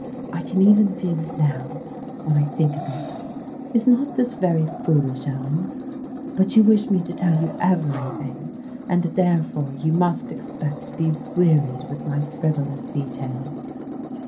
I can even feel it now, when I think of it. Is not this very foolish, Ellen? But you wish me to tell you every thing; and therefore you must expect to be wearied with my frivolous details.